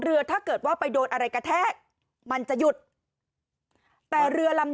ถ้าเกิดว่าไปโดนอะไรกระแทกมันจะหยุดแต่เรือลำ